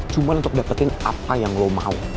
cuma untuk dapetin apa yang lo mau